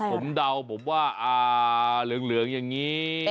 ผมเดาผมว่าเหลืองอย่างนี้